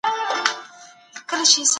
دوی دا پرمختګ ستايي.